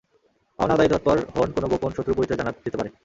পাওনা আদায়ে তৎপর হোন কোনো গোপন শত্রুর পরিচয় জানা যেতে পারে।